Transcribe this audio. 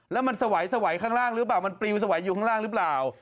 แล้วมันสวัยข้างล่างหรือเปล่ามันปลิวสวัยอยู่ข้างล่างหรือเปล่า